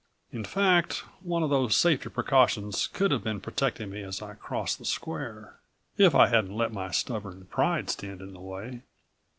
In fact, one of those safety precautions could have been protecting me as I crossed the square, if I hadn't let my stubborn pride stand in the way.